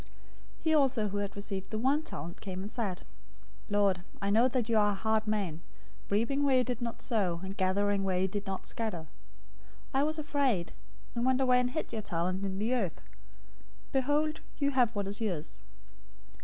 025:024 "He also who had received the one talent came and said, 'Lord, I knew you that you are a hard man, reaping where you did not sow, and gathering where you did not scatter. 025:025 I was afraid, and went away and hid your talent in the earth. Behold, you have what is yours.'